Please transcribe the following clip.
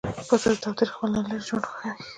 پسه د تاوتریخوالي نه لیرې ژوند خوښوي.